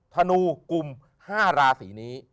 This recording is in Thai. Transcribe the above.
ธนูกลุ่ม๕ราศีนี้